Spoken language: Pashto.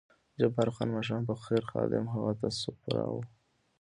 جبار خان: ماښام په خیر، خادم هغه ته سوپ راوړ.